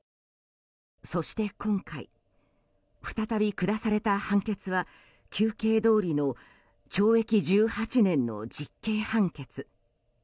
そして今回、再び下された判決は求刑どおりの懲役１８年の実刑判決。